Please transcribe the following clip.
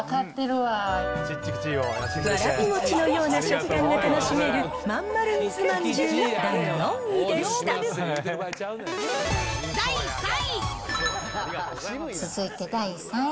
わらび餅のような食感が楽しめるまんまる水まんじゅうが第４第３位。